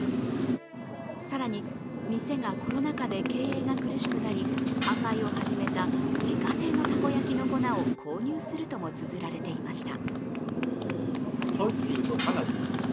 更に、店がコロナ禍で経営が苦しくなり販売を始めた自家製のたこ焼きの粉を購入するともつづられていました。